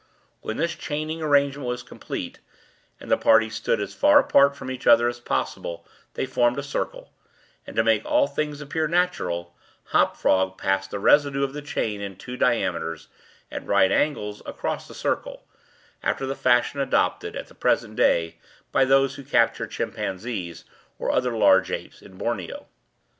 When this chaining arrangement was complete, and the party stood as far apart from each other as possible, they formed a circle; and to make all things appear natural, Hop Frog passed the residue of the chain in two diameters, at right angles, across the circle, after the fashion adopted, at the present day, by those who capture chimpanzees, or other large apes, in Borneo.